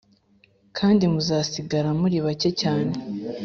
kandi muzasigara muri bake cyane